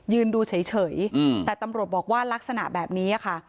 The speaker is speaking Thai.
ดูเฉยแต่ตำรวจบอกว่าลักษณะแบบนี้ค่ะ